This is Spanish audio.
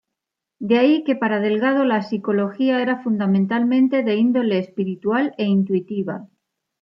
De ahí que para Delgado, la psicología sea fundamentalmente de índole espiritual e intuitiva.